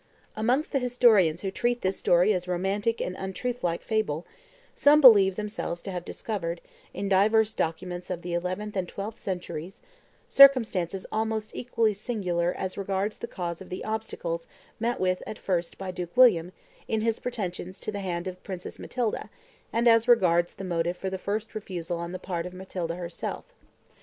Amongst the historians who treat this story as a romantic and untruthlike fable, some believe themselves to have discovered, in divers documents of the eleventh and twelfth centuries, circumstances almost equally singular as regards the cause of the obstacles met with at first by Duke William in his pretensions to the hand of Princess Matilda, and as regards the motive for the first refusal on the part of Matilda herself.